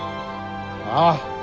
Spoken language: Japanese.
ああ。